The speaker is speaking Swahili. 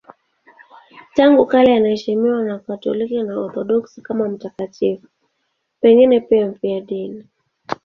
Tangu kale anaheshimiwa na Wakatoliki na Waorthodoksi kama mtakatifu, pengine pia mfiadini.